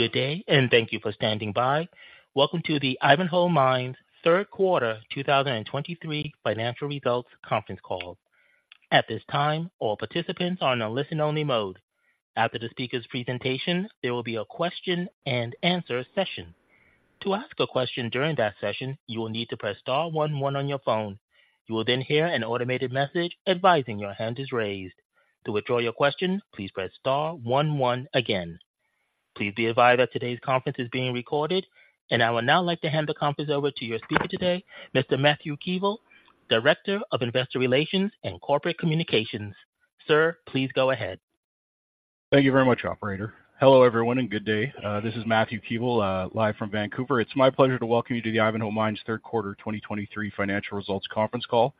Good day, and thank you for standing by. Welcome to the Ivanhoe Mines third quarter 2023 financial results conference call. At this time, all participants are on a listen-only mode. After the speaker's presentation, there will be a question and answer session. To ask a question during that session, you will need to press star one one on your phone. You will then hear an automated message advising your hand is raised. To withdraw your question, please press star one one again. Please be advised that today's conference is being recorded, and I would now like to hand the conference over to your speaker today, Mr. Matthew Keevil, Director of Investor Relations and Corporate Communications. Sir, please go ahead. Thank you very much, operator. Hello, everyone, and good day. This is Matthew Keevil, live from Vancouver. It's my pleasure to welcome you to the Ivanhoe Mines third quarter 2023 financial results conference call.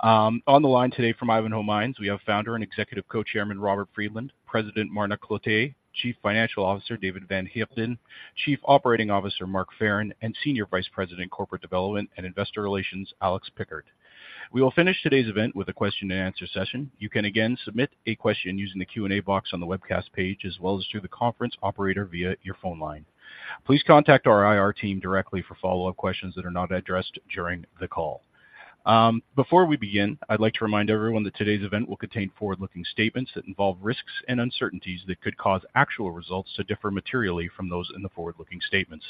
On the line today from Ivanhoe Mines, we have Founder and Executive Co-Chairman, Robert Friedland, President, Marna Cloete, Chief Financial Officer, David van Heerden, Chief Operating Officer, Mark Farren, and Senior Vice President, Corporate Development and Investor Relations, Alex Pickard. We will finish today's event with a question and answer session. You can again submit a question using the Q&A box on the webcast page, as well as through the conference operator via your phone line. Please contact our IR team directly for follow-up questions that are not addressed during the call. Before we begin, I'd like to remind everyone that today's event will contain forward-looking statements that involve risks and uncertainties that could cause actual results to differ materially from those in the forward-looking statements.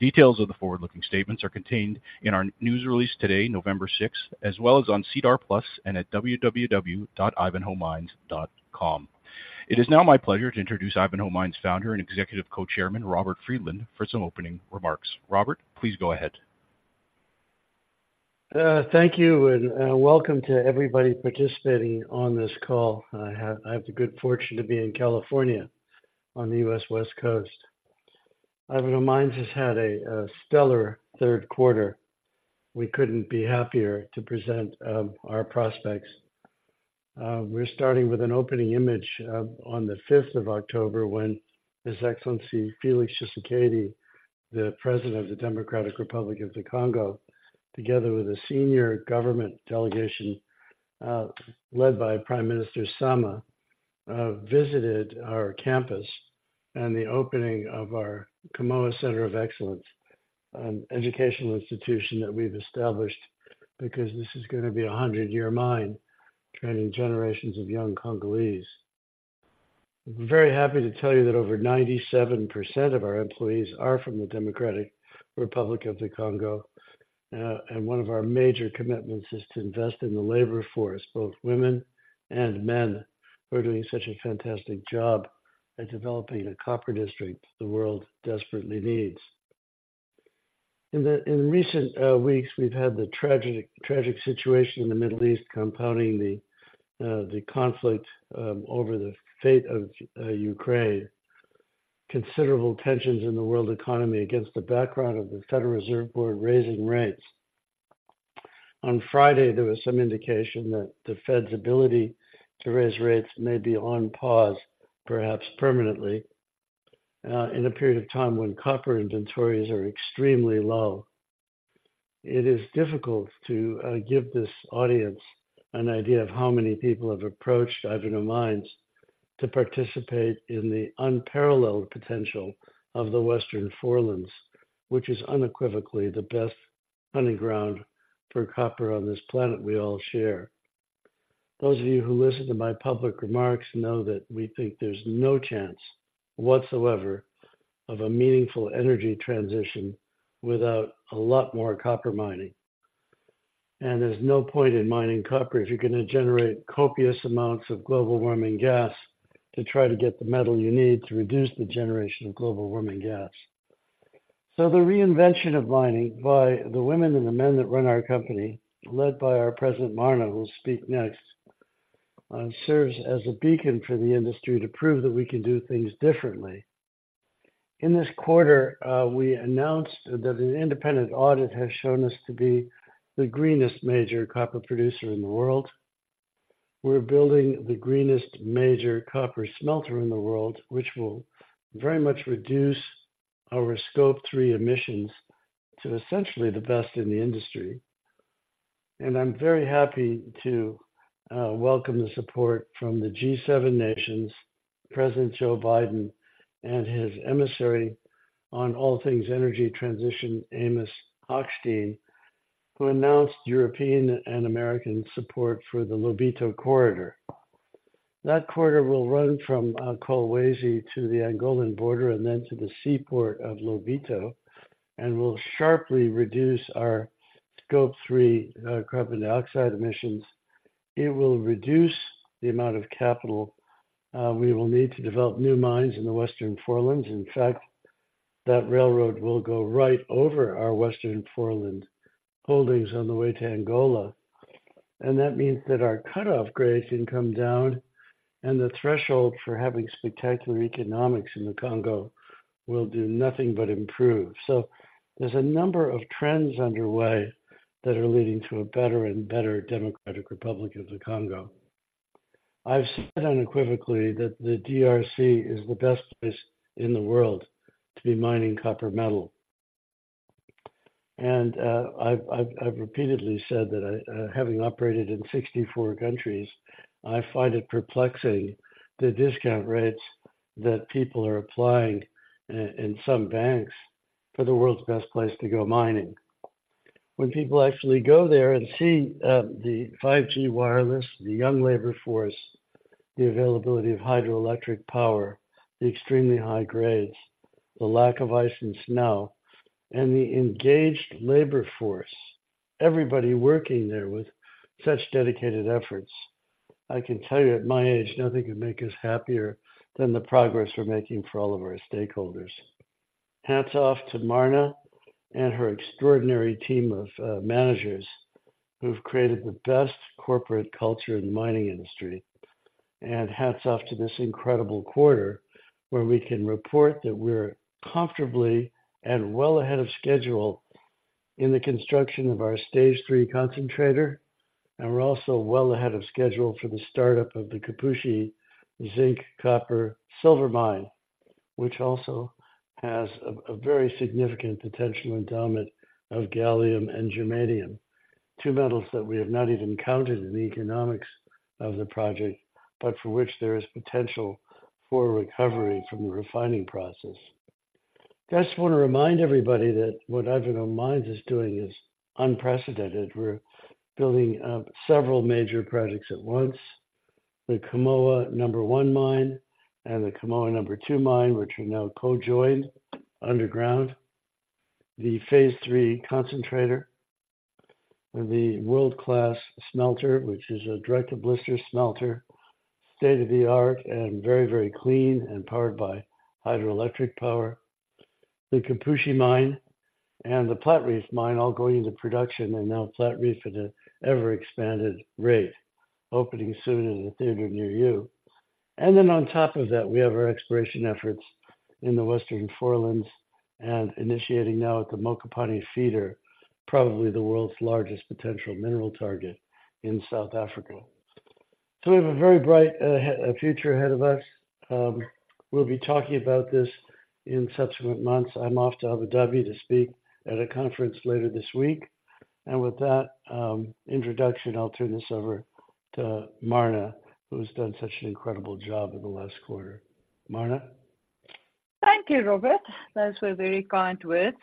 Details of the forward-looking statements are contained in our news release today, November 6th, as well as on SEDAR+ and at www.ivanhoemines.com. It is now my pleasure to introduce Ivanhoe Mines Founder and Executive Co-Chairman, Robert Friedland, for some opening remarks. Robert, please go ahead. Thank you, and welcome to everybody participating on this call. I have, I have the good fortune to be in California on the U.S. West Coast. Ivanhoe Mines has had a stellar third quarter. We couldn't be happier to present our prospects. We're starting with an opening image on the 5th of October, when His Excellency, Félix Tshisekedi, the President of the Democratic Republic of the Congo, together with a senior government delegation led by Prime Minister Sama, visited our campus and the opening of our Kamoa Centre of Excellence, an educational institution that we've established, because this is gonna be a 100-year mine, training generations of young Congolese. I'm very happy to tell you that over 97% of our employees are from the Democratic Republic of the Congo, and one of our major commitments is to invest in the labor force, both women and men, who are doing such a fantastic job at developing a copper district the world desperately needs. In recent weeks, we've had the tragic, tragic situation in the Middle East, compounding the conflict over the fate of Ukraine. Considerable tensions in the world economy against the background of the Federal Reserve Board raising rates. On Friday, there was some indication that the Fed's ability to raise rates may be on pause, perhaps permanently, in a period of time when copper inventories are extremely low. It is difficult to give this audience an idea of how many people have approached Ivanhoe Mines to participate in the unparalleled potential of the Western Forelands, which is unequivocally the best hunting ground for copper on this planet we all share. Those of you who listen to my public remarks know that we think there's no chance whatsoever of a meaningful energy transition without a lot more copper mining. There's no point in mining copper if you're gonna generate copious amounts of global warming gas to try to get the metal you need to reduce the generation of global warming gas. The reinvention of mining by the women and the men that run our company, led by our President, Marna, who will speak next, serves as a beacon for the industry to prove that we can do things differently. In this quarter, we announced that an independent audit has shown us to be the greenest major copper producer in the world. We're building the greenest major copper smelter in the world, which will very much reduce our Scope 3 emissions to essentially the best in the industry. I'm very happy to welcome the support from the G7 nations, President Joe Biden and his emissary on all things energy transition, Amos Hochstein, who announced European and American support for the Lobito Corridor. That corridor will run from Kolwezi to the Angolan border and then to the seaport of Lobito, and will sharply reduce our Scope 3 carbon dioxide emissions. It will reduce the amount of capital we will need to develop new mines in the Western Forelands. In fact, that railroad will go right over our Western Foreland holdings on the way to Angola, and that means that our cut-off grade can come down, and the threshold for having spectacular economics in the Congo will do nothing but improve. So there's a number of trends underway that are leading to a better and better Democratic Republic of the Congo. I've said unequivocally that the DRC is the best place in the world to be mining copper metal. I've repeatedly said that I, having operated in 64 countries, find it perplexing, the discount rates that people are applying in some banks for the world's best place to go mining. When people actually go there and see the 5G wireless, the young labor force, the availability of hydroelectric power, the extremely high grades, the lack of ice and snow, and the engaged labor force, everybody working there with such dedicated efforts. I can tell you at my age, nothing could make us happier than the progress we're making for all of our stakeholders. Hats off to Marna and her extraordinary team of managers, who've created the best corporate culture in the mining industry. And hats off to this incredible quarter, where we can report that we're comfortably and well ahead of schedule in the construction of our stage three concentrator, and we're also well ahead of schedule for the startup of the Kipushi Zinc-Copper-Silver Mine, which also has a very significant potential endowment of gallium and germanium. Two metals that we have not even counted in the economics of the project, but for which there is potential for recovery from the refining process. I just want to remind everybody that what Ivanhoe Mines is doing is unprecedented. We're building up several major projects at once. The Kamoa 1 mine and the Kamoa 2 mine, which are now co-joined underground. The Phase 3 concentrator and the world-class smelter, which is a direct-to-blister smelter, state-of-the-art, and very, very clean and powered by hydroelectric power. The Kipushi mine and the Platreef mine all going into production, and now Platreef at an ever-expanded rate, opening soon in a theater near you. And then on top of that, we have our exploration efforts in the Western Forelands and initiating now at the Mokopane Feeder, probably the world's largest potential mineral target in South Africa. So we have a very bright future ahead of us. We'll be talking about this in subsequent months. I'm off to Abu Dhabi to speak at a conference later this week. And with that introduction, I'll turn this over to Marna, who's done such an incredible job in the last quarter. Marna? Thank you, Robert. Those were very kind words.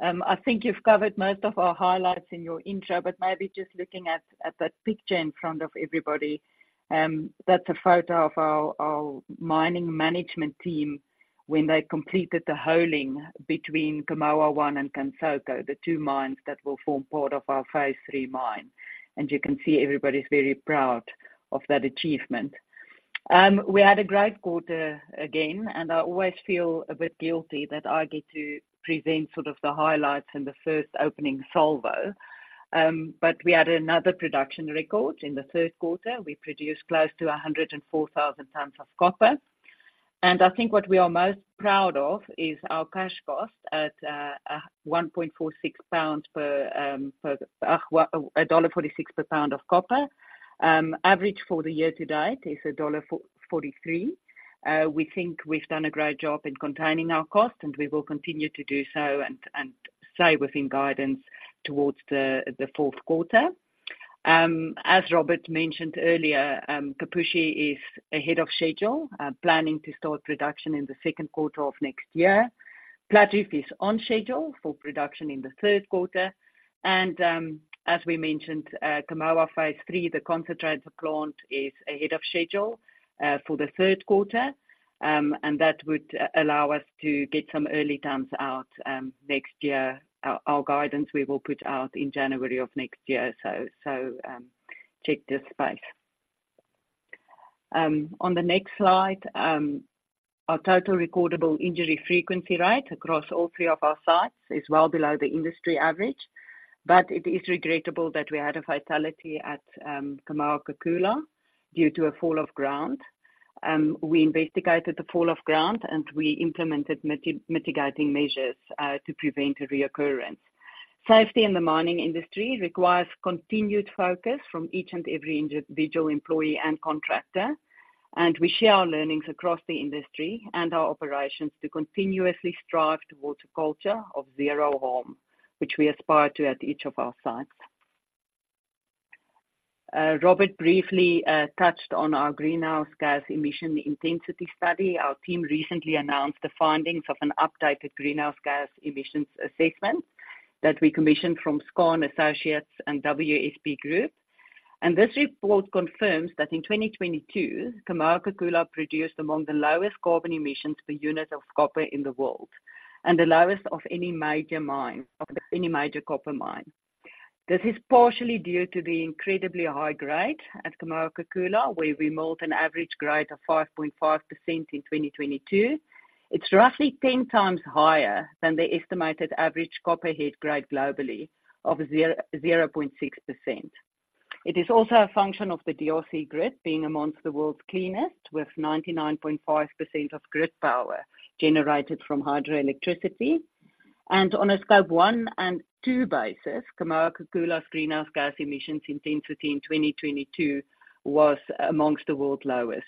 I think you've covered most of our highlights in your intro, but maybe just looking at that picture in front of everybody, that's a photo of our mining management team when they completed the holing between Kamoa 1 and Kansoko, the two mines that will form part of our Phase 3 mine. You can see everybody's very proud of that achievement. We had a great quarter again, and I always feel a bit guilty that I get to present sort of the highlights in the first opening salvo. But we had another production record in the third quarter. We produced close to 104,000 tonnes of copper. I think what we are most proud of is our cash cost at a $1.46 per pound of copper. Average for the year to date is $1.43. We think we've done a great job in containing our costs, and we will continue to do so and stay within guidance towards the fourth quarter. As Robert mentioned earlier, Kipushi is ahead of schedule, planning to start production in the second quarter of next year. Platreef is on schedule for production in the third quarter, and as we mentioned, Kamoa Phase 3, the concentrator plant, is ahead of schedule for the third quarter. And that would allow us to get some early tonnes out next year. Our guidance, we will put out in January of next year. So, check this space. On the next slide, our total recordable injury frequency rate across all three of our sites is well below the industry average, but it is regrettable that we had a fatality at Kamoa-Kakula due to a fall of ground. We investigated the fall of ground, and we implemented mitigating measures to prevent a reoccurrence. Safety in the mining industry requires continued focus from each and every individual employee and contractor, and we share our learnings across the industry and our operations to continuously strive towards a culture of zero harm, which we aspire to at each of our sites. Robert briefly touched on our greenhouse gas emissions intensity study. Our team recently announced the findings of an updated greenhouse gas emissions assessment that we commissioned from Skarn Associates and WSP Group. This report confirms that in 2022, Kamoa-Kakula produced among the lowest carbon emissions per unit of copper in the world, and the lowest of any major mine, of any major copper mine. This is partially due to the incredibly high grade at Kamoa-Kakula, where we mined an average grade of 5.5% in 2022. It's roughly ten times higher than the estimated average copper head grade globally of 0.6%. It is also a function of the DRC grid being amongst the world's cleanest, with 99.5% of grid power generated from hydroelectricity. On a Scope 1 and 2 basis, Kamoa-Kakula's greenhouse gas emissions intensity in 2022 was amongst the world's lowest.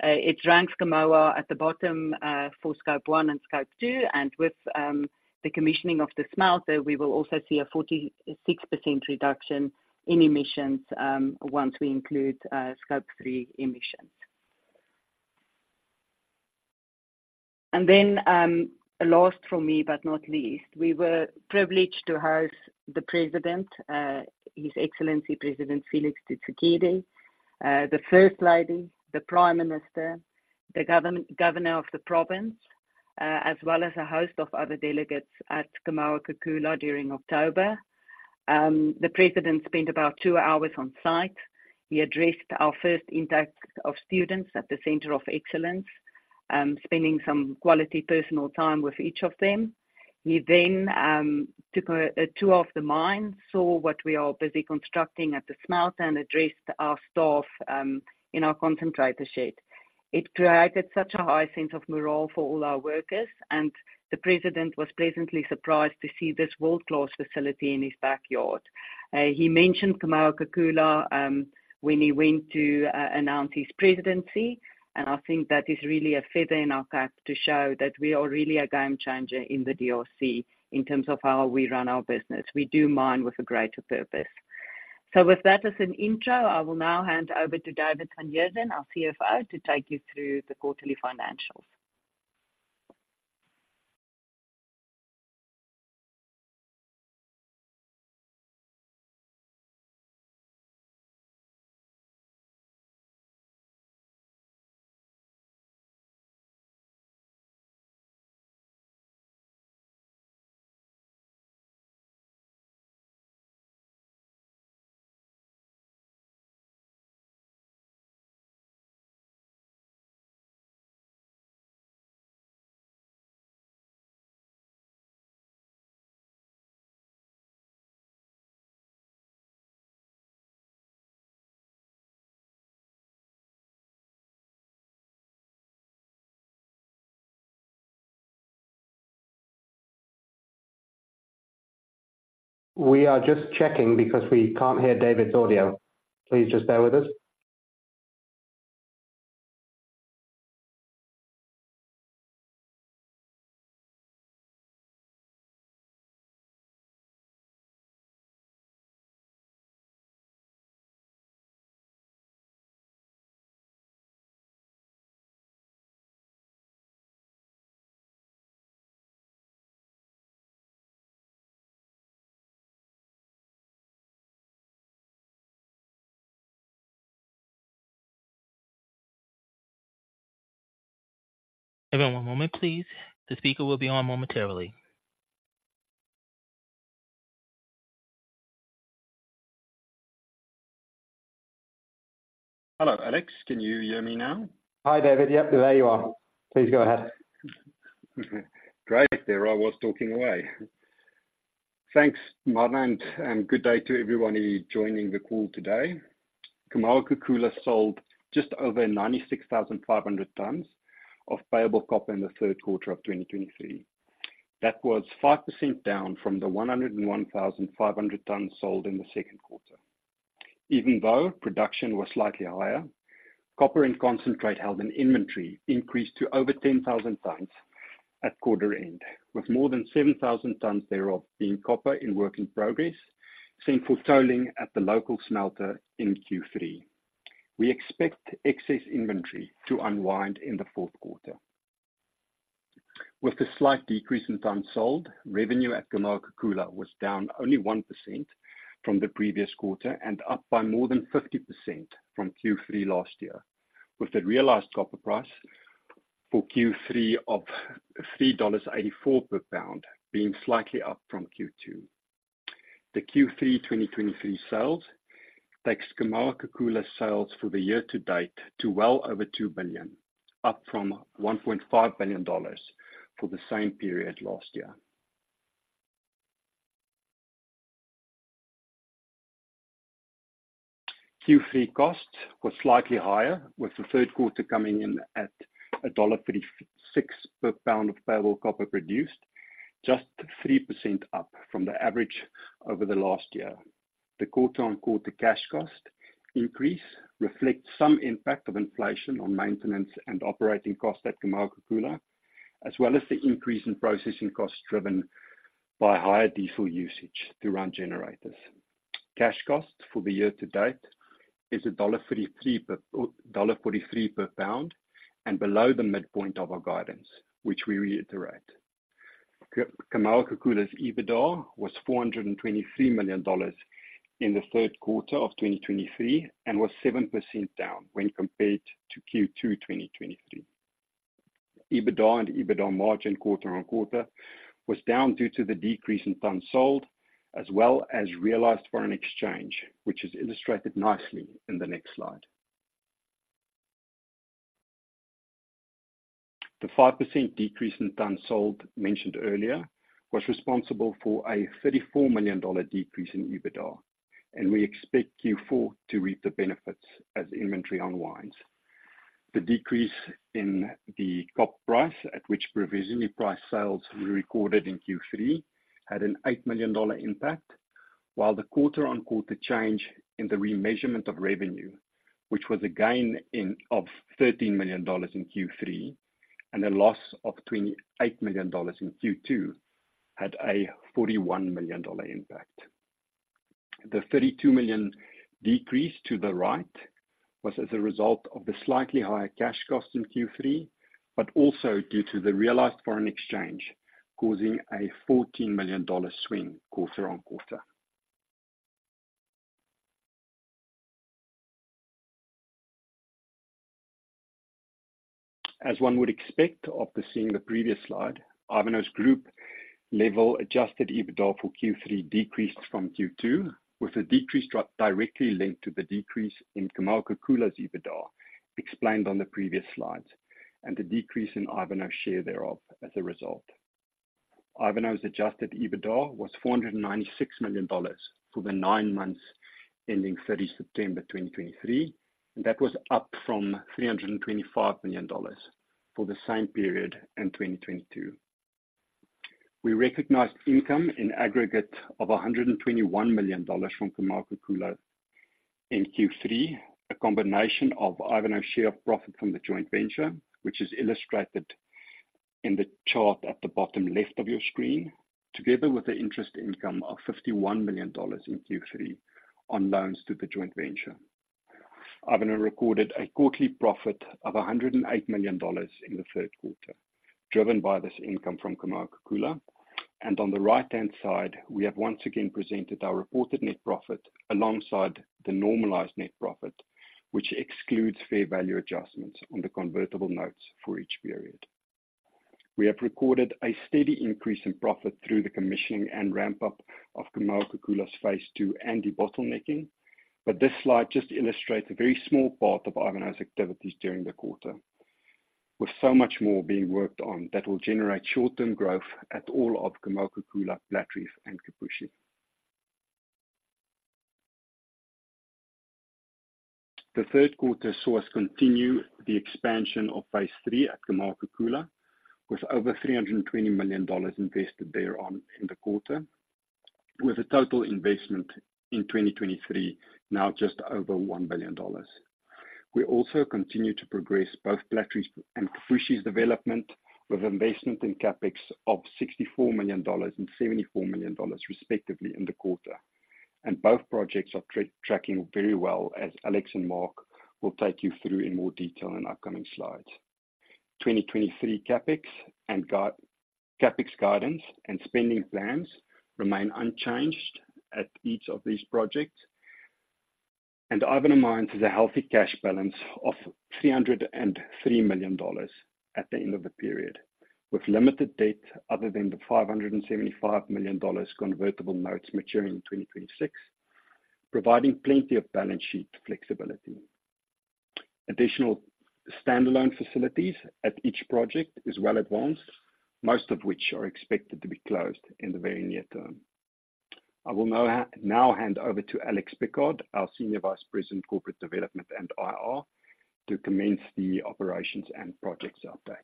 It ranks Kamoa at the bottom for Scope 1 and Scope 2, and with the commissioning of the smelter, we will also see a 46% reduction in emissions once we include Scope 3 emissions. Last from me, but not least, we were privileged to host the president, His Excellency, President Félix Tshisekedi, the First Lady, the Prime Minister, the governor of the province, as well as a host of other delegates at Kamoa-Kakula during October. The president spent about two hours on site. He addressed our first intake of students at the Centre of Excellence, spending some quality personal time with each of them. He then took a tour of the mine, saw what we are busy constructing at the smelter, and addressed our staff in our concentrator shed. It created such a high sense of morale for all our workers, and the president was pleasantly surprised to see this world-class facility in his backyard. He mentioned Kamoa-Kakula when he went to announce his presidency, and I think that is really a feather in our cap to show that we are really a game changer in the DRC in terms of how we run our business. We do mine with a greater purpose. So with that as an intro, I will now hand over to David van Heerden, our CFO, to take you through the quarterly financials. We are just checking because we can't hear David's audio. Please just bear with us. Give me one moment, please. The speaker will be on momentarily. Hello, Alex. Can you hear me now? Hi, David. Yep, there you are. Please go ahead. Great. There I was, talking away. Thanks, Marna, and good day to everybody joining the call today. Kamoa-Kakula sold just over 96,500 tonnes of payable copper in the third quarter of 2023. That was 5% down from the 101,500 tonnes sold in the second quarter. Even though production was slightly higher, copper and concentrate held in inventory increased to over 10,000 tonnes at quarter end, with more than 7,000 tonnes thereof being copper in work in progress, sent for tolling at the local smelter in Q3. We expect excess inventory to unwind in the fourth quarter. With a slight decrease in tonnes sold, revenue at Kamoa-Kakula was down only 1% from the previous quarter and up by more than 50% from Q3 last year, with the realized copper price for Q3 of $3.84 per pound, being slightly up from Q2. The Q3 2023 sales takes Kamoa-Kakula sales for the year to date to well over $2 billion, up from $1.5 billion for the same period last year. Q3 costs were slightly higher, with the third quarter coming in at $1.36 per pound of payable copper produced, just 3% up from the average over the last year. The quarter-on-quarter cash cost increase reflects some impact of inflation on maintenance and operating costs at Kamoa-Kakula, as well as the increase in processing costs driven by higher diesel usage to run generators. Cash costs for the year to date is $1.33-$1.43 per pound and below the midpoint of our guidance, which we reiterate. Kamoa-Kakula's EBITDA was $423 million in the third quarter of 2023 and was 7% down when compared to Q2 2023. EBITDA and EBITDA margin quarter-on-quarter was down due to the decrease in tonnes sold, as well as realized foreign exchange, which is illustrated nicely in the next slide. The 5% decrease in tonnes sold, mentioned earlier, was responsible for a $34 million decrease in EBITDA, and we expect Q4 to reap the benefits as inventory unwinds. The decrease in the copper price, at which provisionally priced sales were recorded in Q3, had an $8 million impact. While the quarter-on-quarter change in the remeasurement of revenue, which was a gain of $13 million in Q3, and a loss of $28 million in Q2, had a $41 million impact. The $32 million decrease to the right was as a result of the slightly higher cash cost in Q3, but also due to the realized foreign exchange, causing a $14 million swing quarter-on-quarter. As one would expect after seeing the previous slide, Ivanhoe's group level adjusted EBITDA for Q3 decreased from Q2, with a decrease drop directly linked to the decrease in Kamoa-Kakula's EBITDA, explained on the previous slides, and the decrease in Ivanhoe's share thereof as a result. Ivanhoe's adjusted EBITDA was $496 million for the nine months ending 30 September 2023, and that was up from $325 million for the same period in 2022. We recognized income in aggregate of $121 million from Kamoa-Kakula in Q3, a combination of Ivanhoe's share of profit from the joint venture, which is illustrated in the chart at the bottom left of your screen, together with the interest income of $51 million in Q3 on loans to the joint venture. Ivanhoe recorded a quarterly profit of $108 million in the third quarter, driven by this income from Kamoa-Kakula. On the right-hand side, we have once again presented our reported net profit alongside the normalized net profit, which excludes fair value adjustments on the convertible notes for each period. We have recorded a steady increase in profit through the commissioning and ramp-up of Kamoa-Kakula's Phase 2 and the bottlenecking. But this slide just illustrates a very small part of Ivanhoe's activities during the quarter, with so much more being worked on that will generate short-term growth at all of Kamoa-Kakula, Platreef, and Kipushi. The third quarter saw us continue the expansion of Phase 3 at Kamoa-Kakula, with over $320 million invested thereon in the quarter, with a total investment in 2023 now just over $1 billion. We also continued to progress both Platreef and Kipushi's development, with investment in CapEx of $64 million and $74 million, respectively, in the quarter. Both projects are tracking very well, as Alex and Mark will take you through in more detail in upcoming slides. 2023 CapEx guidance and spending plans remain unchanged at each of these projects. Ivanhoe Mines has a healthy cash balance of $303 million at the end of the period, with limited debt other than the $575 million convertible notes maturing in 2026, providing plenty of balance sheet flexibility. Additional standalone facilities at each project is well advanced, most of which are expected to be closed in the very near term. I will now hand over to Alex Pickard, our Senior Vice President, Corporate Development and IR, to commence the operations and projects update.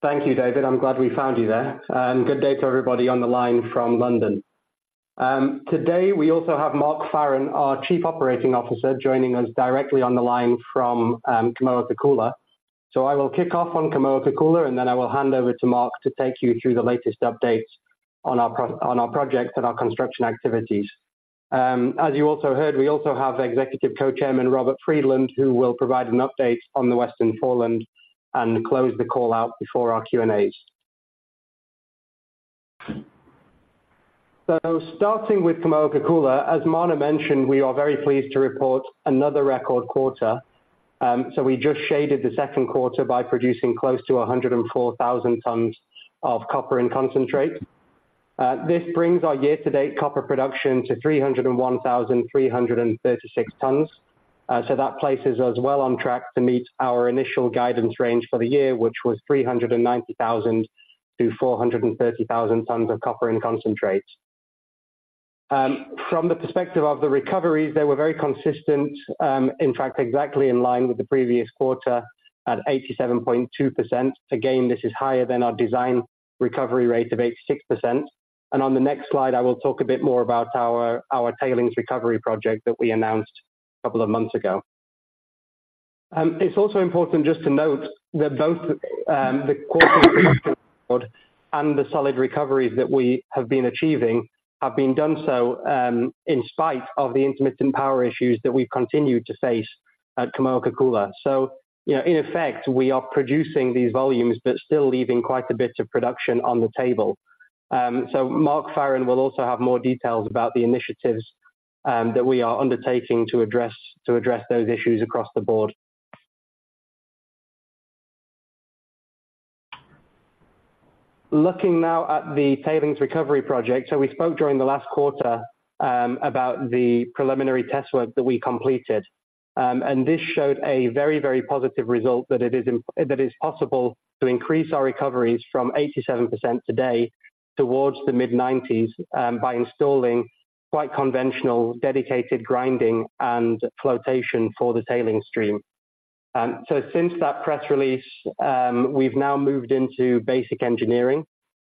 Thank you, David. I'm glad we found you there, and good day to everybody on the line from London. Today, we also have Mark Farren, our Chief Operating Officer, joining us directly on the line from Kamoa-Kakula. So I will kick off on Kamoa-Kakula, and then I will hand over to Mark to take you through the latest updates on our projects and our construction activities. As you also heard, we also have Executive Co-Chairman Robert Friedland, who will provide an update on the Western Foreland and close the call out before our Q&As. So starting with Kamoa-Kakula, as Marna mentioned, we are very pleased to report another record quarter. So we just shaded the second quarter by producing close to 104,000 tonnes of copper and concentrate. This brings our year-to-date copper production to 301,336 tonnes. So that places us well on track to meet our initial guidance range for the year, which was 390,000-430,000 tonnes of copper and concentrates. From the perspective of the recoveries, they were very consistent, in fact, exactly in line with the previous quarter at 87.2%. Again, this is higher than our design recovery rate of 86%. And on the next slide, I will talk a bit more about our tailings recovery project that we announced a couple of months ago. It's also important just to note that both, the quarter and the solid recoveries that we have been achieving have been done so, in spite of the intermittent power issues that we've continued to face at Kamoa-Kakula. So, you know, in effect, we are producing these volumes, but still leaving quite a bit of production on the table. So Mark Farren will also have more details about the initiatives that we are undertaking to address those issues across the board. Looking now at the tailings recovery project. So we spoke during the last quarter about the preliminary test work that we completed. And this showed a very, very positive result that it's possible to increase our recoveries from 87% today towards the mid-90s, by installing quite conventional dedicated grinding and flotation for the tailings stream. So since that press release, we've now moved into basic engineering,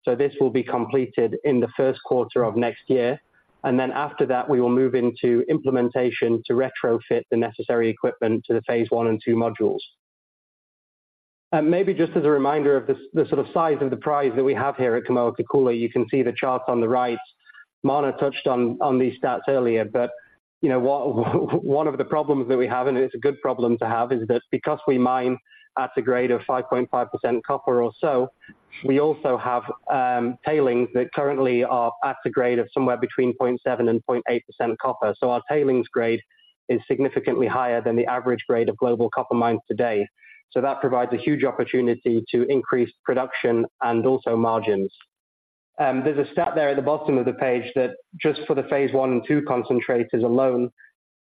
so this will be completed in the first quarter of next year, and then after that, we will move into implementation to retrofit the necessary equipment to the phase one and two modules. And maybe just as a reminder of the, the sort of size of the prize that we have here at Kamoa-Kakula, you can see the chart on the right. Marna touched on, on these stats earlier, but, you know, one, one of the problems that we have, and it's a good problem to have, is that because we mine at a grade of 5.5% copper or so, we also have, tailings that currently are at a grade of somewhere between 0.7% and 0.8% copper. Our tailings grade is significantly higher than the average grade of global copper mines today. That provides a huge opportunity to increase production and also margins. There's a stat there at the bottom of the page that just for the Phase 1 and 2 concentrators alone,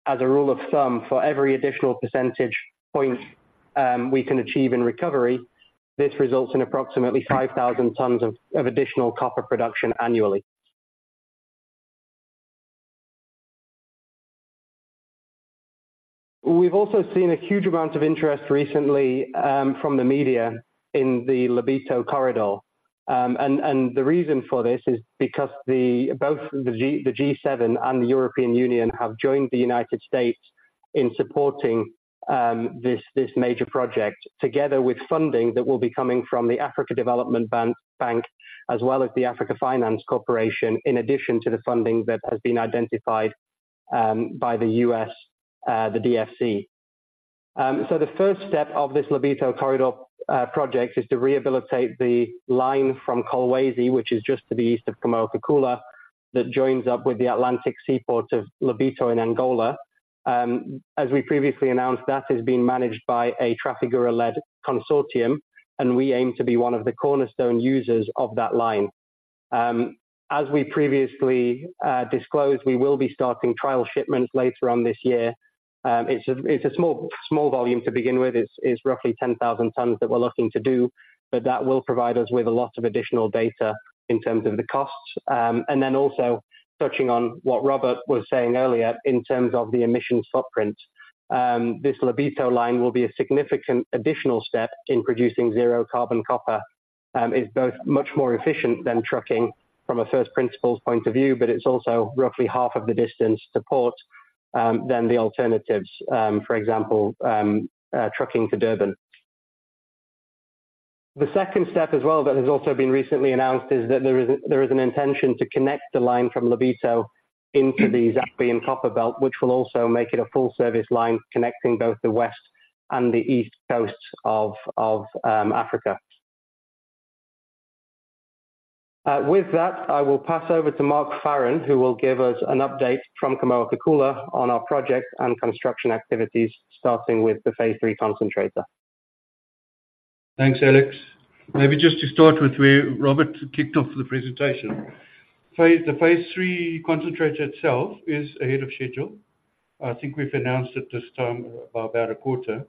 as a rule of thumb, for every additional percentage point we can achieve in recovery, this results in approximately 5,000 tonnes of additional copper production annually. We've also seen a huge amount of interest recently from the media in the Lobito Corridor. The reason for this is because both the G7 and the European Union have joined the United States in supporting this major project, together with funding that will be coming from the Africa Development Bank, as well as the Africa Finance Corporation, in addition to the funding that has been identified by the U.S. DFC. So the first step of this Lobito Corridor project is to rehabilitate the line from Kolwezi, which is just to the east of Kamoa-Kakula, that joins up with the Atlantic seaport of Lobito in Angola. As we previously announced, that is being managed by a Trafigura-led consortium, and we aim to be one of the cornerstone users of that line. As we previously disclosed, we will be starting trial shipments later on this year. It's a small volume to begin with. It's roughly 10,000 tonnes that we're looking to do, but that will provide us with a lot of additional data in terms of the costs. And then also touching on what Robert was saying earlier, in terms of the emission footprint, this Lobito line will be a significant additional step in producing zero carbon copper. It's both much more efficient than trucking from a first principles point of view, but it's also roughly half of the distance to port, than the alternatives, for example, trucking to Durban. The second step as well, that has also been recently announced, is that there is an intention to connect the line from Lobito into the Zambian copper belt, which will also make it a full-service line connecting both the west and the east coasts of Africa. With that, I will pass over to Mark Farren, who will give us an update from Kamoa-Kakula on our project and construction activities, starting with the Phase 3 concentrator. Thanks, Alex. Maybe just to start with where Robert kicked off the presentation. The Phase 3 concentrator itself is ahead of schedule. I think we've announced it this time, about a quarter.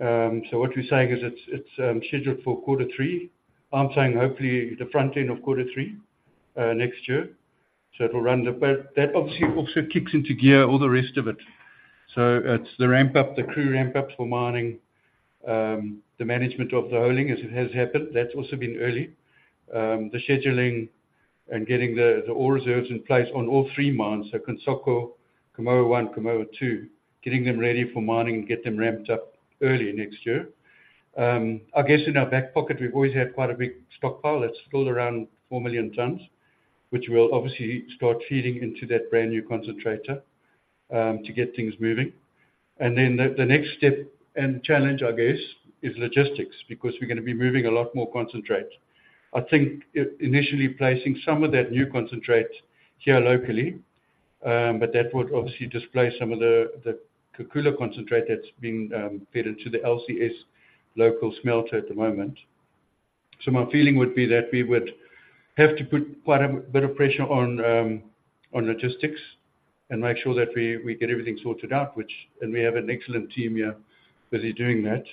So what we're saying is it's scheduled for quarter three. I'm saying hopefully the front end of quarter three next year, so it'll run up. But that obviously also kicks into gear all the rest of it. So it's the ramp up, the crew ramp up for mining, the management of the hauling as it has happened. That's also been early. The scheduling and getting the ore reserves in place on all three mines, so Kansoko, Kamoa 1, Kamoa 2, getting them ready for mining and get them ramped up early next year. I guess in our back pocket, we've always had quite a big stockpile. That's still around 4 million tonnes, which will obviously start feeding into that brand-new concentrator to get things moving. And then the next step and challenge, I guess, is logistics, because we're gonna be moving a lot more concentrate. I think initially placing some of that new concentrate here locally, but that would obviously displace some of the Kakula concentrate that's being fed into the LCS local smelter at the moment. So my feeling would be that we would have to put quite a bit of pressure on logistics and make sure that we get everything sorted out, and we have an excellent team here, busy doing that.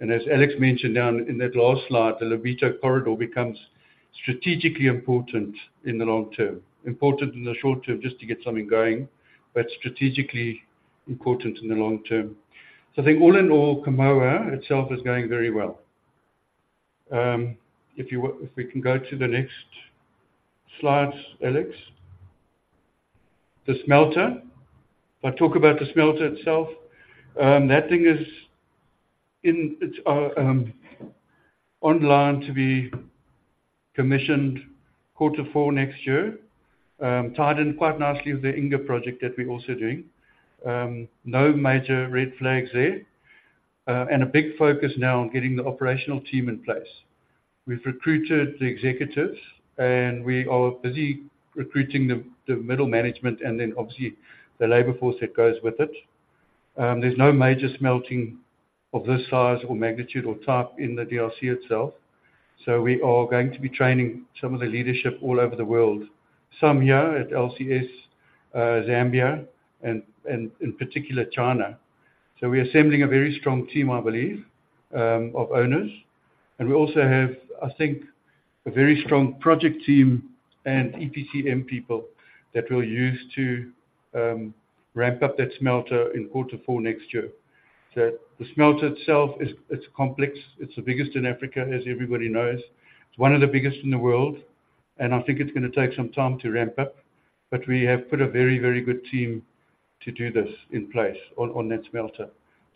And as Alex mentioned down in that last slide, the Lobito Corridor becomes strategically important in the long term. Important in the short term, just to get something going, but strategically important in the long term. So I think all in all, Kamoa itself is going very well. If we can go to the next slide, Alex. The smelter. If I talk about the smelter itself, that thing is online to be commissioned quarter four next year. Tied in quite nicely with the Inga project that we're also doing. No major red flags there, and a big focus now on getting the operational team in place. We've recruited the executives, and we are busy recruiting the middle management and then obviously, the labor force that goes with it. There's no major smelting of this size, or magnitude, or type in the DRC itself, so we are going to be training some of the leadership all over the world, some here at LCS, Zambia, and in particular, China. So we are assembling a very strong team, I believe, of owners, and we also have, I think, a very strong project team and EPCM people that we'll use to ramp up that smelter in quarter four next year. So the smelter itself is, it's complex. It's the biggest in Africa, as everybody knows. It's one of the biggest in the world, and I think it's gonna take some time to ramp up, but we have put a very, very good team to do this in place on that smelter.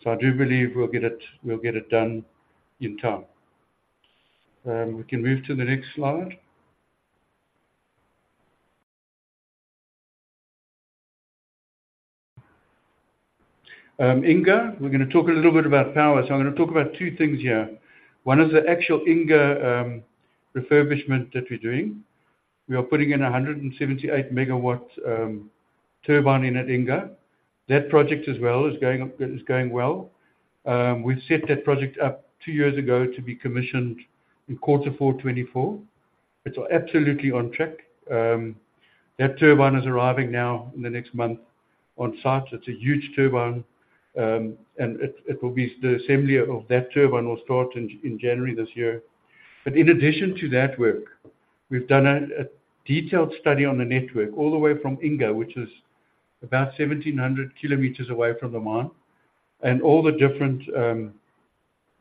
So I do believe we'll get it, we'll get it done in time. We can move to the next slide. Inga, we're gonna talk a little bit about power. So I'm gonna talk about two things here. One is the actual Inga refurbishment that we're doing. We are putting in a 178-megawatt turbine in at Inga. That project as well is going well. We set that project up two years ago to be commissioned in quarter four 2024. It's absolutely on track. That turbine is arriving now in the next month on site. It's a huge turbine, and the assembly of that turbine will start in January this year. But in addition to that work, we've done a detailed study on the network all the way from Inga, which is about 1,700 kilometers away from the mine, and all the different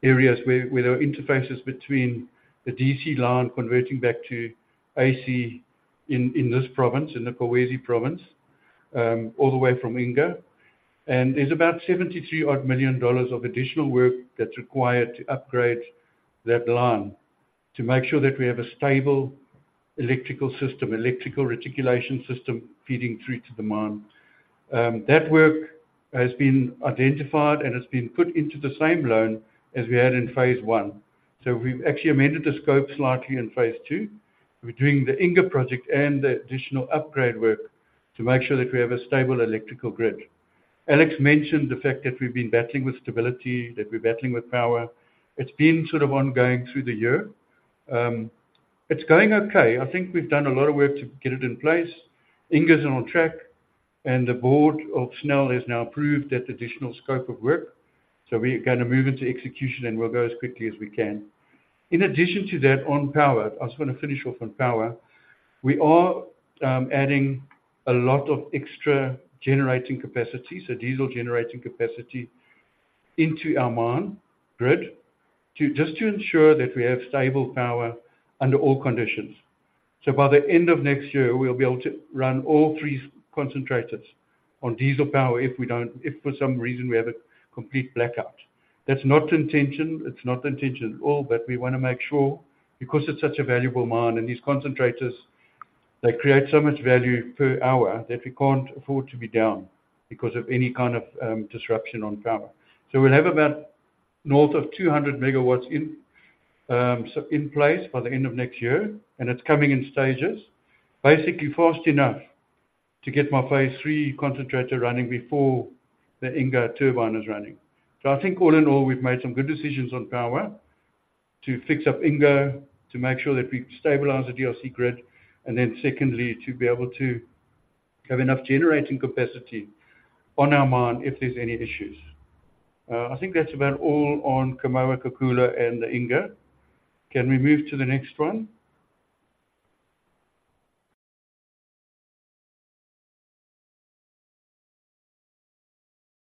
areas where there are interfaces between the DC line converting back to AC in this province, in the Kolwezi province, all the way from Inga. And there's about $73 million of additional work that's required to upgrade that line, to make sure that we have a stable electrical system, electrical reticulation system, feeding through to the mine. That work has been identified and has been put into the same loan as we had in Phase 1. So we've actually amended the scope slightly in Phase 2. We're doing the Inga project and the additional upgrade work to make sure that we have a stable electrical grid. Alex mentioned the fact that we've been battling with stability, that we're battling with power. It's been sort of ongoing through the year. It's going okay. I think we've done a lot of work to get it in place. Inga is on track, and the board of SNEL has now approved that additional scope of work, so we're gonna move into execution, and we'll go as quickly as we can. In addition to that, on power, I just wanna finish off on power. We are adding a lot of extra generating capacity, so diesel generating capacity, into our mine grid, to just ensure that we have stable power under all conditions. So by the end of next year, we'll be able to run all three concentrators on diesel power if we don't—if for some reason we have a complete blackout. That's not the intention. It's not the intention at all, but we wanna make sure because it's such a valuable mine, and these concentrators, they create so much value per hour that we can't afford to be down because of any kind of disruption on power. So we'll have about north of 200 MW in, so in place by the end of next year, and it's coming in stages, basically fast enough to get my Phase 3 concentrator running before the Inga turbine is running. So I think all in all, we've made some good decisions on power to fix up Inga, to make sure that we stabilize the DRC grid, and then secondly, to be able to have enough generating capacity on our mine if there's any issues. I think that's about all on Kamoa-Kakula, and the Inga. Can we move to the next one?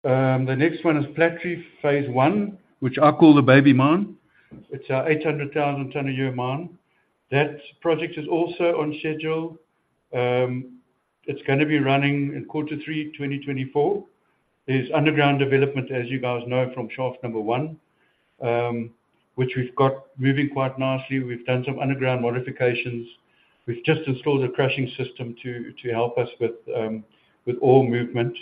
The next one is Platreef Phase 1, which I call the baby mine. It's our 800,000-tonne-a-year mine. That project is also on schedule. It's gonna be running in quarter three 2024. There's underground development, as you guys know, from Shaft 1, which we've got moving quite nicely. We've done some underground modifications. We've just installed a crushing system to help us with ore movement,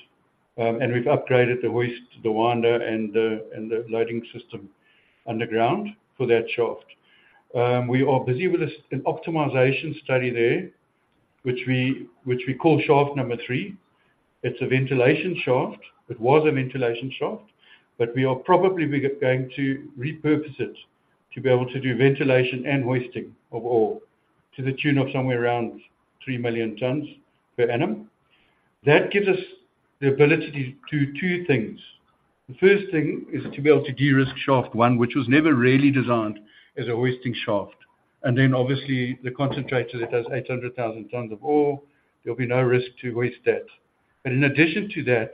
and we've upgraded the hoist, the winder, and the loading system underground for that shaft. We are busy with an optimization study there, which we call Shaft 3. It's a ventilation shaft. It was a ventilation shaft, but we are probably going to repurpose it to be able to do ventilation and hoisting of ore, to the tune of somewhere around 3 million tonnes per annum. That gives us the ability to do two things. The first thing is to be able to de-risk Shaft 1, which was never really designed as a hoisting shaft, and then obviously, the concentrator that does 800,000 tonnes of ore, there'll be no risk to hoist that. But in addition to that,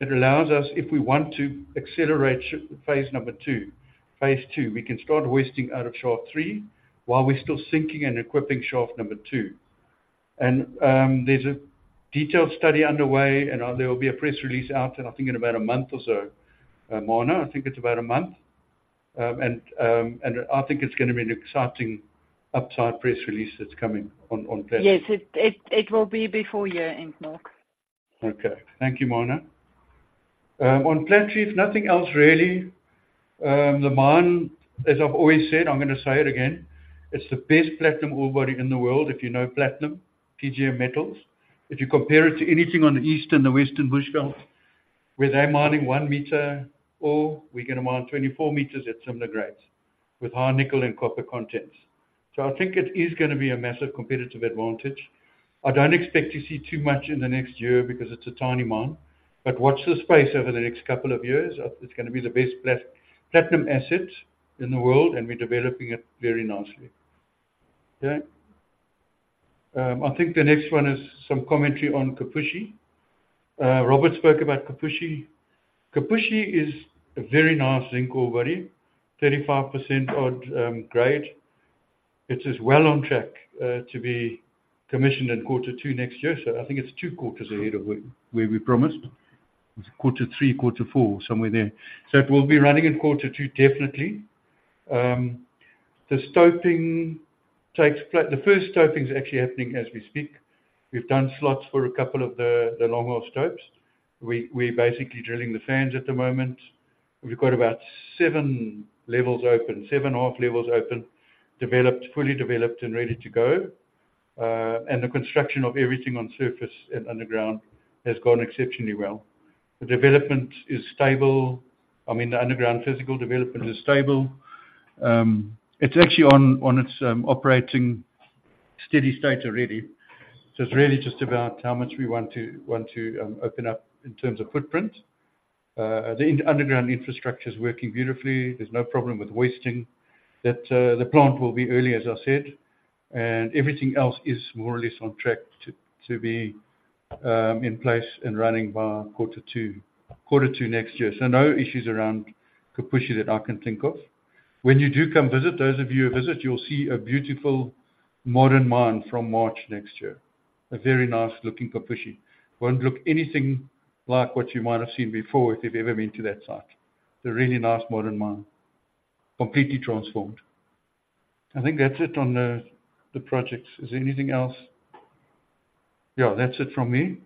it allows us, if we want to accelerate Phase 2, Phase 2, we can start hoisting out of Shaft 3 while we're still sinking and equipping Shaft 2. And, there's a detailed study underway, and, there will be a press release out in, I think, in about a month or so. Marna, I think it's about a month. I think it's gonna be an exciting upside press release that's coming on plat- Yes, it will be before year-end, Mark. Okay. Thank you, Marna. On Platreef, nothing else really. The mine, as I've always said, I'm gonna say it again, it's the best platinum ore body in the world, if you know platinum, PGM metals. If you compare it to anything on the East and the Western Bushveld, where they're mining 1-meter ore, we're gonna mine 24 meters at similar grades with high nickel and copper contents. So I think it is gonna be a massive competitive advantage. I don't expect to see too much in the next year because it's a tiny mine, but watch this space over the next couple of years. It's gonna be the best platinum asset in the world, and we're developing it very nicely. Okay. I think the next one is some commentary on Kipushi. Robert spoke about Kipushi. Kipushi is a very nice zinc ore body, 35% odd grade. It is well on track to be commissioned in quarter two next year, so I think it's 2 quarters ahead of where we promised. It's quarter three, quarter four, somewhere there. So it will be running in quarter two, definitely. The stoping takes place. The first stoping is actually happening as we speak. We've done slots for a couple of the long hole stopes. We're basically drilling the fans at the moment. We've got about 7 levels open, 7 half-levels open, developed, fully developed and ready to go. And the construction of everything on surface and underground has gone exceptionally well. The development is stable. I mean, the underground physical development is stable. It's actually on its operating steady state already. So it's really just about how much we want to, want to, open up in terms of footprint. The underground infrastructure is working beautifully. There's no problem with wasting. That, the plant will be early, as I said, and everything else is more or less on track to, to be, in place and running by quarter two, quarter two next year. So no issues around Kipushi that I can think of. When you do come visit, those of you who visit, you'll see a beautiful modern mine from March next year. A very nice-looking Kipushi. Won't look anything like what you might have seen before, if you've ever been to that site. It's a really nice, modern mine, completely transformed. I think that's it on the, the projects. Is there anything else? Yeah, that's it from me.